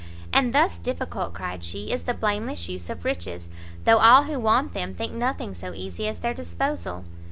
"And thus difficult," cried she, "is the blameless use of riches, though; all who want them, think nothing so easy as their disposal!